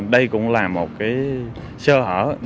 đây cũng là một sơ hội